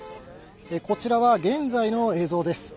こちらは現在の映像です。